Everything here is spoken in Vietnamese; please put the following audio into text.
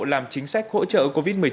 làm chính sách hỗ trợ covid một mươi chín